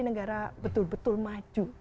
negara betul betul maju